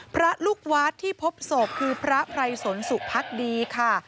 พระลูกวัดที่พบศพคือพระไพรสนสุพักดีค่ะ